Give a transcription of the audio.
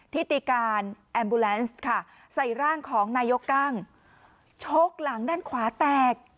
ทิศติการค่ะใส่ร่างของนายกล้างโชกหลังด้านขวาแตก